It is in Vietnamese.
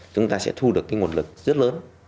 chúng ta sẽ thu được cái nguồn lực rất lớn